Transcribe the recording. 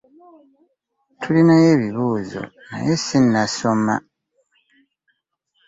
Tulinayo ebibuuzo naye sinasoma .